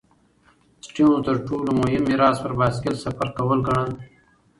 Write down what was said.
سټيونز تر ټولو مهم میراث پر بایسکل سفر کول ګڼل.